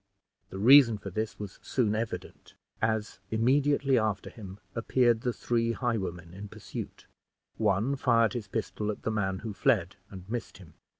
The reason for this was soon evident, as immediately after him appeared the three highwaymen in pursuit. One fired his pistol at the man who fled, and missed him.